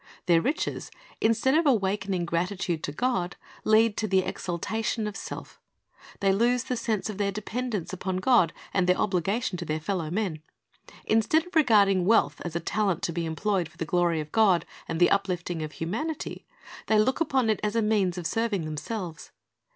"^ Their riches, instead of awakening gratitude to God, lead to the exaltation of self They lose the sense of their dependence upon God and their obligation to their fellow men. Instead of regarding wealth as a talent to be employed for the glory of God and the uplifting of humanity, they look upon it as a means of serving themselves.